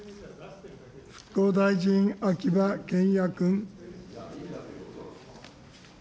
復興大臣、秋葉賢也君。